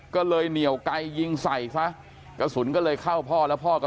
ก็เลยเหนียวไกลยิงใส่ซะกระสุนก็เลยเข้าพ่อแล้วพ่อก็